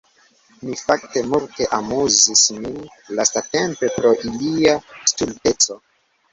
Mi fakte multe amuzis min lastatempe pro ilia stulteco.